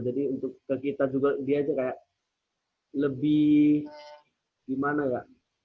jadi untuk kita juga dia aja kayak lebih gimana ya